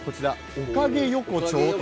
おかげ横丁ね。